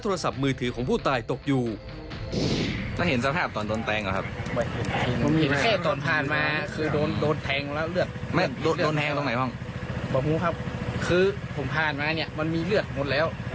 ธิบายหลูกประพันธ์ของคนละ